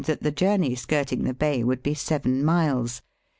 that the journey skirting the bay would be seven miles.